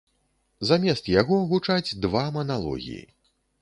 Замест яго гучаць два маналогі.